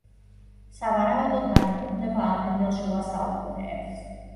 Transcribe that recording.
სავარაუდოდ განეკუთვნება ადრინდელ შუა საუკუნეებს.